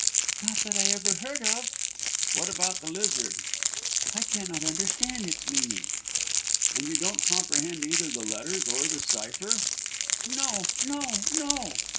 "Not that I ever heard of." "What about the lizard?" "I cannot understand its meaning." "And you don't comprehend either the letters or the cypher?" "No! no! no!"